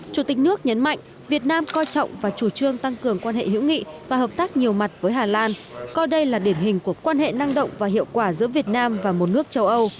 chủ tịch nước nhấn mạnh việt nam coi trọng và chủ trương tăng cường quan hệ hữu nghị và hợp tác nhiều mặt với hà lan coi đây là điển hình của quan hệ năng động và hiệu quả giữa việt nam và một nước châu âu